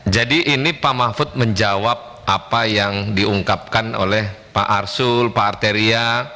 jadi ini pak mahfud menjawab apa yang diungkapkan oleh pak arsul pak arteria